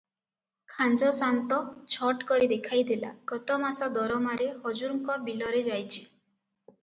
ଖାଞ୍ଜଶାନ୍ତ ଝଟ୍ କରି ଦେଖାଇ ଦେଲା ଗତମାସ- ଦରମାରେ ହଜୁରଙ୍କ ବିଲରେ ଯାଇଚି ।